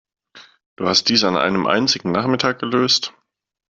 Du hast dies an einem einzigen Nachmittag gelöst?